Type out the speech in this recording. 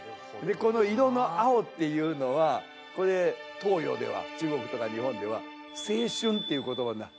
この色の青っていうのはこれ東洋では中国とか日本では「青春」っていう言葉になる。